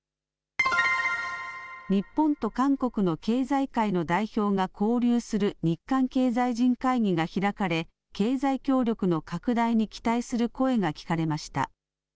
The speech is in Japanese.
日本と韓国の経済界の代表が交流する日韓経済人会議が開かれ、経済協力の拡大に期待する声が聞かれました。